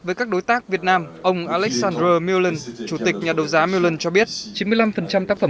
với các đối tác việt nam ông alexander meland chủ tịch nhà đấu giá milan cho biết chín mươi năm tác phẩm